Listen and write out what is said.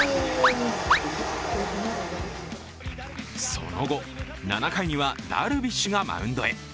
その後、７回にはダルビッシュがマウンドへ。